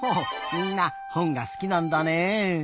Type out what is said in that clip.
みんなほんがすきなんだね。